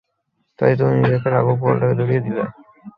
তাই তুমি নিজেকে বাঁচাতে রাঘব বোয়ালটাকে ধরিয়ে দিলে।